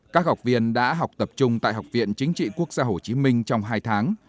các học viên đã học tập trung tại học viện chính trị quốc gia hồ chí minh trong hai tháng